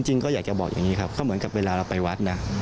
ก็อยากจะบอกอย่างนี้ครับก็เหมือนกับเวลาเราไปวัดนะ